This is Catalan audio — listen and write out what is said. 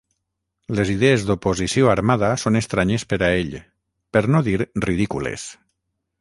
Les idees d'oposició armada són estranyes per a ell, per no dir ridícules.